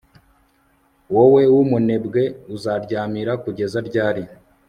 wowe w'umunebwe, uzaryamira kugeza ryari